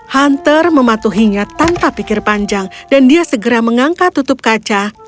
hunter mematuhinya tanpa pikir panjang dan dia segera mengangkat tutup kaca